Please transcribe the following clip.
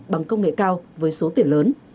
bằng công nghệ cao với số tiền lớn